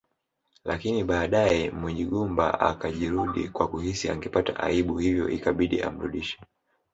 Lakini baadaye Munyigumba akajirudi kwa kuhisi angepata aibu hivyo ikabidi amrudishe